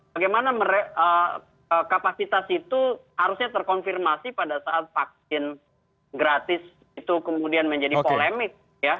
bagaimana kapasitas itu harusnya terkonfirmasi pada saat vaksin gratis itu kemudian menjadi polemik